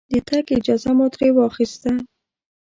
د تګ اجازه مو ترې واخسته.